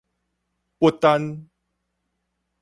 不丹